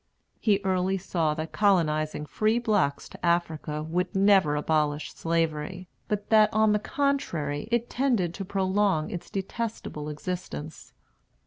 He early saw that colonizing free blacks to Africa would never abolish Slavery; but that, on the contrary, it tended to prolong its detestable existence.